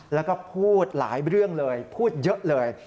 แล้วก็พูดหลายเรื่องเลยพูดเยอะเลย